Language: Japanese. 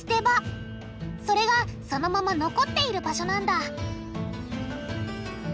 それがそのまま残っている場所なんだ